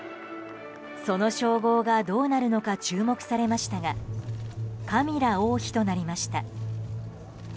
その称号がどうなるのか注目されましたがカミラ王妃となりました。